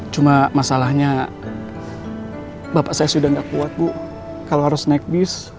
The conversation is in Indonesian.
cuma masalahnya bapak saya sudah tidak kuat bu kalau harus naik bis